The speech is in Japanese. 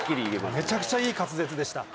めちゃくちゃいい滑舌でした。